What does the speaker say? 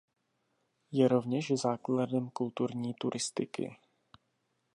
Je rovněž základem kulturní turistiky.